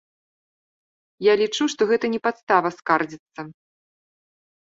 Я лічу, што гэта не падстава скардзіцца.